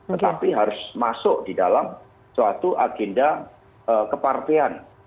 tetapi harus masuk di dalam suatu agenda kepala daerah